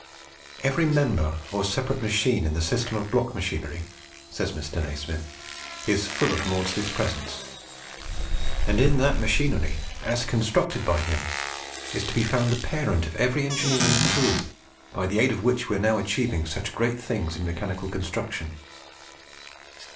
"Every member or separate machine in the system of block machinery," says Mr. Nasmyth, "is full of Maudslay's presence; and in that machinery, as constructed by him, is to be found the parent of every engineering tool by the aid of which we are now achieving such great things in mechanical construction.